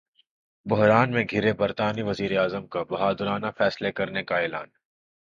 بحران میں گِھرے برطانوی وزیراعظم کا ’بہادرانہ فیصلے‘ کرنے کا اعلان